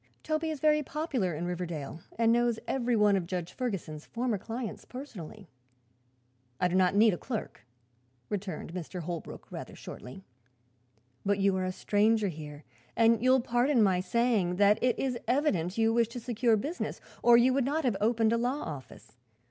Toby is very popular in Riverdale and knows every one of Judge Ferguson's former clients personally." "I do not need a clerk," returned Mr. Holbrook, rather shortly. "But you are a stranger here and you will pardon my saying that it is evident you wish to secure business, or you would not have opened a law office.